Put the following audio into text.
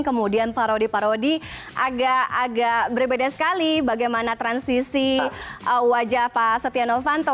kemudian parodi parodi agak berbeda sekali bagaimana transisi wajah pak setia novanto